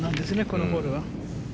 このボールは。